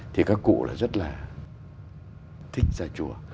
thì các cụ là rất là thích ra chùa